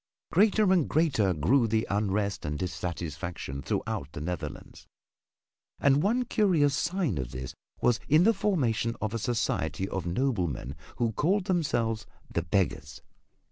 Greater and greater grew the unrest and dissatisfaction throughout the Netherlands. And one curious sign of this was in the formation of a society of noblemen who called themselves "The Beggars."